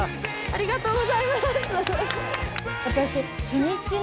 ありがとうございます。